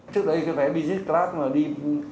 trước đây cái vé business class mà đi